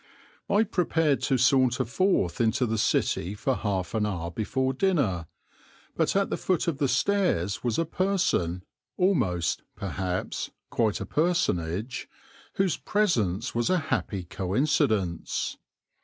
I prepared to saunter forth into the city for half an hour before dinner; but at the foot of the stairs was a person, almost, perhaps, quite a personage, whose presence was a happy coincidence.